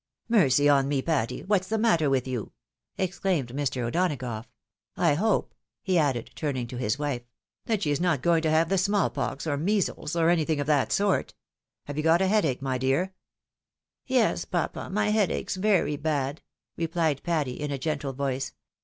"Mercy on me, Patty! what's the matter with you?" exclaimed Mr. O'Donagough. " I hope," he added, turning to 216 THE WIDOW MARRIED. his wife, ' that she is not going to have the smallpox, or measles, or anything of that sort ! Have you got a head ache, my dear ?"" Yes, papa, my head aches very bad," rephed Patty, in a gentle voice.